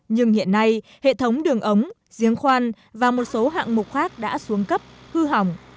nhưng hiện nay hệ thống đường ống giếng khoan và một số hạng mục khác đã xuống cấp hư hỏng